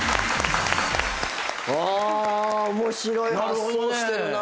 面白い発想してるな。